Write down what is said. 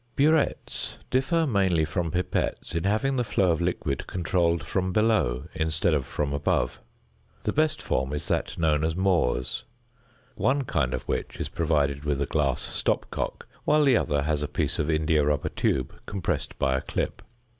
~Burettes~ differ mainly from pipettes in having the flow of liquid controlled from below instead of from above. The best form is that known as Mohr's, one kind of which is provided with a glass stopcock, while the other has a piece of india rubber tube compressed by a clip.